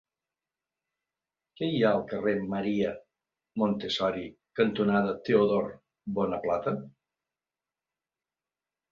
Què hi ha al carrer Maria Montessori cantonada Teodor Bonaplata?